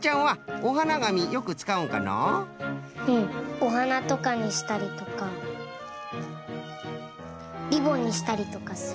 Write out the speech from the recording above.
おはなとかにしたりとかリボンにしたりとかする。